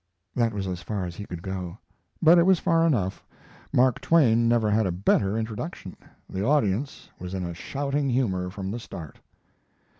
That was as far as he could go; but it was far enough. Mark Twain never had a better introduction. The audience was in a shouting humor from the start.